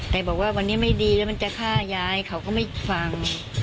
แต่บอกว่าวันนี้ไม่ดีแล้วมันจะฆ่ายายเขาก็ไม่ฟัง